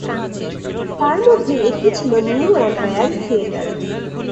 তার মধ্যে একটি ছিল নিউ এম্পায়ার থিয়েটার।